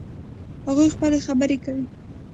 هغوی خپلې خبرې کوي